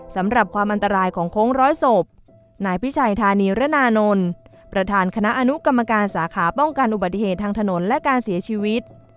สำหรับความอันตรายของโค้งร้อยศพนายพิชัยธานีระนานนท์ประธานคณะอนุกรรมการสาขาป้องกันอุบัติเหตุทางถนนและการเสียชีวิต